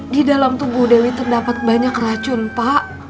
di dalam tubuh dewi terdapat banyak racun pak